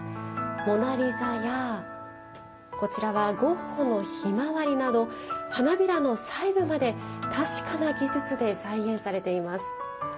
「モナ・リザ」やこちらはゴッホの「ひまわり」など花びらの細部まで確かな技術で再現されています。